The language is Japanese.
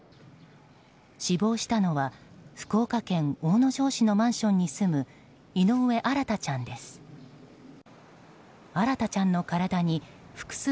死亡したのは福岡県大野城市のマンションに住む井上新大ちゃんです。